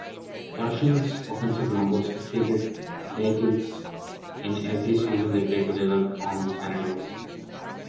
Yashin's offensive numbers exceeded Daigle's in every season they played together on the Senators.